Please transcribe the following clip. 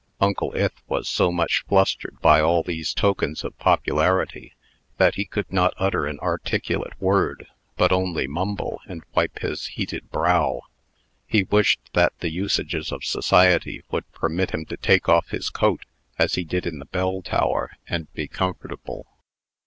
Uncle Ith was so much flustered by all these tokens of popularity, that he could not utter an articulate word, but only mumble, and wipe his heated brow. He wished that the usages of society would permit him to take off his coat, as he did in the bell tower, and be comfortable.